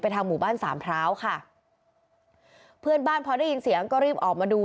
ทางหมู่บ้านสามพร้าวค่ะเพื่อนบ้านพอได้ยินเสียงก็รีบออกมาดู